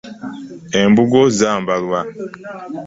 Embugo zambalwa.